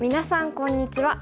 こんにちは。